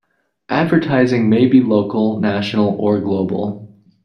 Advertising may be local, national or global.